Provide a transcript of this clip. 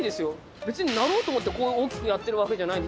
別になろうと思って大きくなってるわけじゃないんで。